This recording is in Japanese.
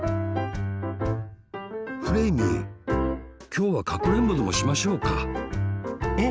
きょうはかくれんぼでもしましょうかえ？